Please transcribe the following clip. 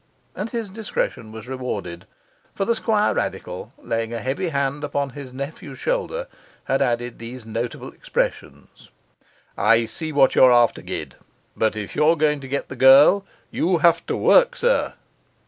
And his discretion was rewarded; for the Squirradical, laying a heavy hand upon his nephew's shoulder, had added these notable expressions: 'I see what you are after, Gid. But if you're going to get the girl, you have to work, sir.